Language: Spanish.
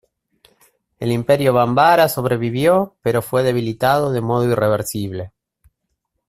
El Imperio Bambara sobrevivió pero fue debilitado de modo irreversible.